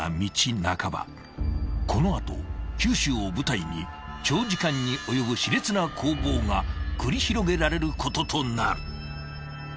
［この後九州を舞台に長時間に及ぶ熾烈な攻防が繰り広げられることとなる］